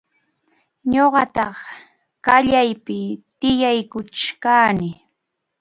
Ñuqataq kaqllapi tiyaykuchkani.